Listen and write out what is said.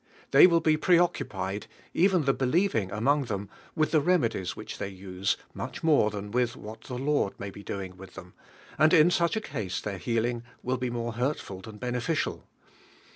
They will be preoccupied, even the believing among them, with the reme dies whirh they use, niueh more than with what the Lord may be doing with them, and in such a case their healing will be more hurtful than beneficial.